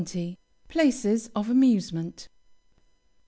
PLACES OF AMUSEMENT.